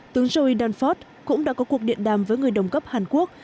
tướng joe danforth cũng đã có cuộc điện đàm với người đồng cấp hàn quốc